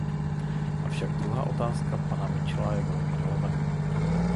Avšak druhá otázka pana Mitchella je velmi relevantní.